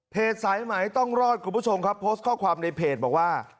สายไหมต้องรอดคุณผู้ชมครับโพสต์ข้อความในเพจบอกว่า